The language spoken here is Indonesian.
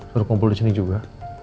suruh kumpul disini juga